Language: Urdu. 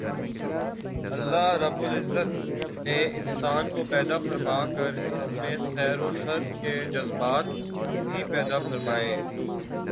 اللہ رب العزت نے انسان کو پیدا فرما کر اس میں خیر و شر کے جذبات بھی پیدا فرمائے